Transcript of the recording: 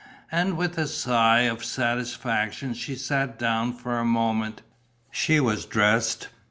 And with a sigh of satisfaction she sat down for a moment. She was dressed.